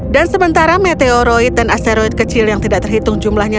dan sementara meteoroid dan asteroid kecil yang tidak terhitung jumlahnya